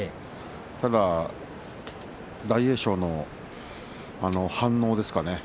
ただ大栄翔の反応ですかね。